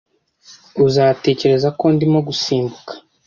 uzatekereza ko ndimo gusimbuka